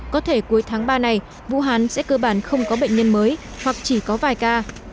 có thể cuối tháng ba này vũ hán sẽ cơ bản không có bệnh nhân mới hoặc chỉ có vài ca